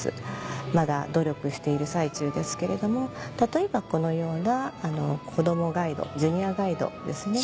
まだ努力している最中ですけれども例えばこのような子供ガイドジュニアガイドですね